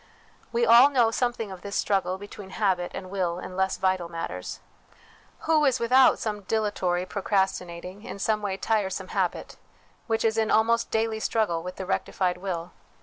We all know something of this struggle between habit and will in less vital matters. Who is without some dilatory, pro crastinating, in some way tiresome, habit, which is in almost daily struggle with the rectified will